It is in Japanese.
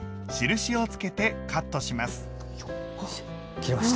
切れました。